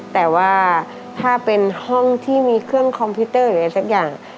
แต่ว่าถ้าเป็นห้องที่มีเครื่องคอมพิวเตอร์หรืออะไรสักอย่าง